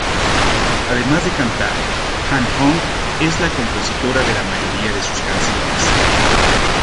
Además de cantar, Han Hong es la compositora de la mayoría de sus canciones.